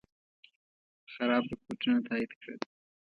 خراب رپوټونه تایید کړل.